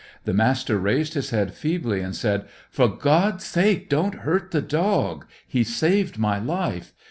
The Master raised his head feebly, and said "For God's sake don't hurt the dog! He saved my life.